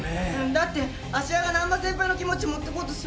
だって芦屋が難波先輩の気持ち持ってこうとするから。